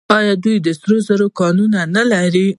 آیا دوی د سرو زرو کانونه نلري؟